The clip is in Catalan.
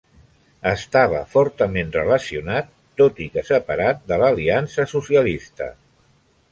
Estava fortament relacionat, tot i que separat, de l'Aliança Socialista.